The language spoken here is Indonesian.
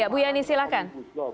bu yani silahkan